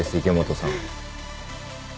池本さん。